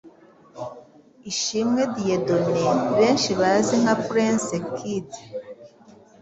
Ishimwe Dieudonné benshi bazi nka Prince Kid